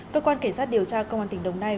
cơ quan kể sát điều tra công an tỉnh đồng nai